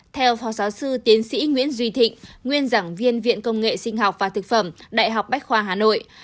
theo phó giáo sư tiến sĩ nguyễn duy thịnh nguyên giảng viên viện công nghệ sinh học và thực phẩm đại học bách khoa hà nội